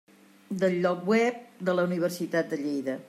Del lloc web de la Universitat de Lleida.